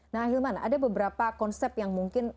nah hilman ada beberapa konsep yang mungkin